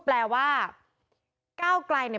แปลว่าเก้ากลายเนี่ย